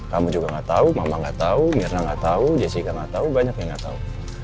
kamu juga gak tau mama gak tau mirna gak tau jessica gak tau banyak yang gak tau